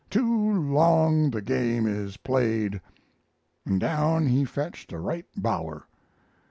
Too long the game is played!' and down he fetched a right bower.